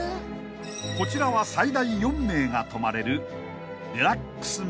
［こちらは最大４名が泊まれる］